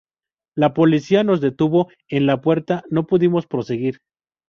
La policía nos detuvo en la puerta y no pudimos proseguir".